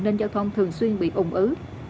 nên giao thông thường xuyên bị ủng ứ